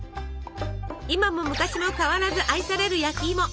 今も昔も変わらず愛される焼きいも。